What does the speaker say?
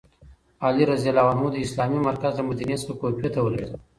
علي رض د اسلامي مرکز له مدینې څخه کوفې ته ولیږداوه.